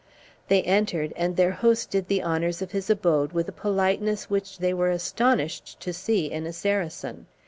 They entered, and their host did the honors of his abode with a politeness which they were astonished to see in a Saracen.